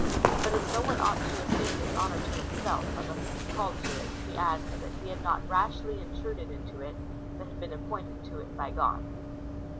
But as no one ought to assume this honour to himself, unless he be called to it, he adds, that he had not rashly intruded into it, but had been appointed^ to it by God.